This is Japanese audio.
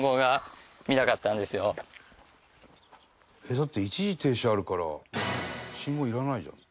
「だって一時停止あるから信号いらないじゃん」